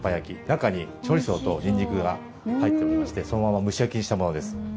中にチョリソーとニンニクが入っておりましてそのまま蒸し焼きにしたものです。